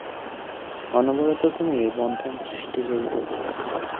অনবরত তুমি এই বন্ধন সৃষ্টি করিতেছ।